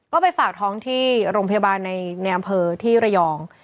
ก็ไปฝากท้องที่โรงพยาบาลในอำเภอที่ระยอง